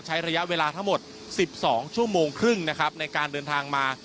ระยะเวลาทั้งหมด๑๒ชั่วโมงครึ่งนะครับในการเดินทางมา